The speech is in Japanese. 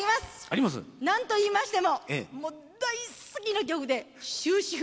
何と言いましてももう大好きな曲で「秋止符」。